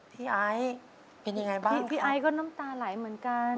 พี่ไอ้เป็นยังไงบ้างค่ะพี่ไอ้ก็น้ำตาไหลเหมือนกัน